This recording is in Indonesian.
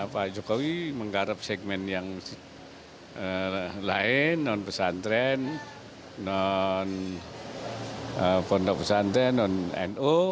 pak jokowi menggarap segmen yang lain non pesantren non pondok pesantren non nu